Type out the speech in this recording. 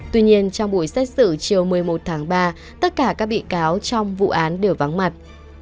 tuy nhiên trong buổi xét xử chiều một mươi một tháng ba tất cả các bị cáo trong vụ án đều vắng mặt